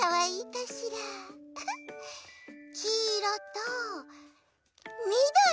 きいろとみどり。